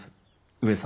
上様。